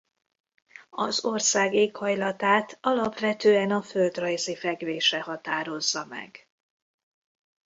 Az ország éghajlatát alapvetően a földrajzi fekvése határozza meg.